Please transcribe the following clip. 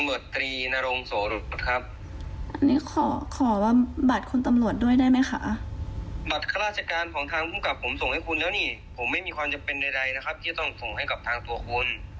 เอ่อหือหื้อหือไม่มีความเป็นใดนะครับที่จะต้องส่งให้กับทางตัวคุณ